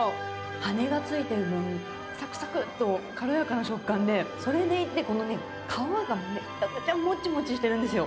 羽根が付いてるのに、さくさくっと軽やかな食感で、それでいて皮がね、めちゃくちゃもちもちしてるんですよ。